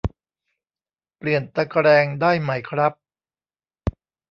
เปลี่ยนตะแกรงได้ไหมครับ